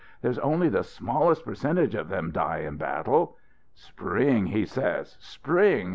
There's only the smallest percentage of them die in battle " "'Spring,' he says; 'spring!'